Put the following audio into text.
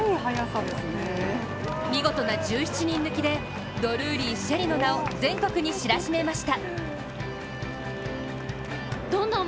見事な１７人抜きでドルーリー朱瑛里の名を全国に知らしめました。